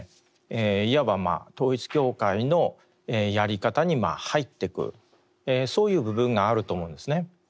いわば統一教会のやり方に入っていくそういう部分があると思うんですね。